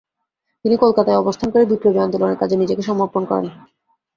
তিনি কলকাতায় অবস্থান করে বিপ্লবী আন্দোলনের কাজে নিজেকে সমর্পণ করেন।